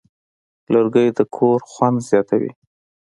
لرګی د کور خوند زیاتوي.